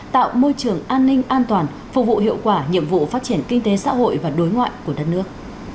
tạo môi trường an ninh an toàn phục vụ hiệu quả nhiệm vụ phát triển kinh tế xã hội và đối ngoại của đất nước